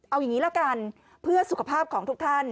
เอาอย่างนี้ละกันเพื่อสุขภาพของทุกท่าน